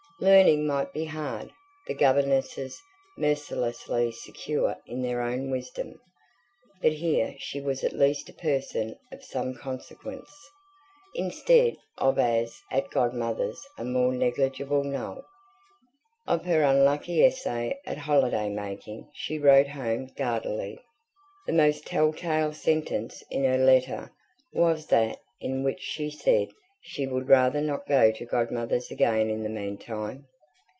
Learning might be hard; the governesses mercilessly secure in their own wisdom; but here she was at least a person of some consequence, instead of as at Godmother's a mere negligible null. Of her unlucky essay at holiday making she wrote home guardedly: the most tell tale sentence in her letter was that in which she said she would rather not go to Godmother's again in the meantime.